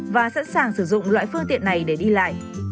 và sẵn sàng sử dụng loại phương tiện này để đi lại